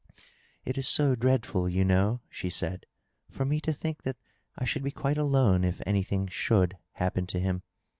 " It is so dreadful, you know," die said, " for me to think that I should be quite alone if any thing should happen to him